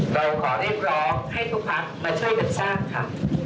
เราขอเรียกร้องให้ทุกพักมาช่วยกันสร้างค่ะ